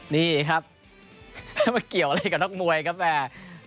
นี่ครับแล้วมาเกี่ยวอะไรกับนักมวยครับแม่